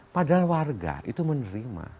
padahal warga itu menerima